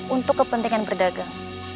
untuk kepentingan berdagang